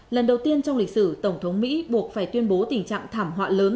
lần đầu tiên trong lịch sử tổng thống mỹ buộc phải tuyên bố tình trạng thảm họa lớn